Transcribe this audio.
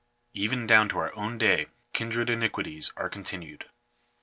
Even down to our own day kindred iniquities are continued*.